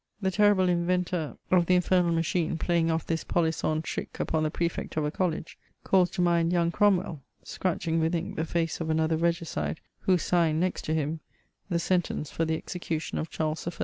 The terrible inventot of the Infernal Machine playing ofp this poUsaon trick upon ^the Prefect of a college — calls to mind young Cromwell^ scratching with ipk the face of another regicide, who signed, next to him, the sentence for the execution of Charles I.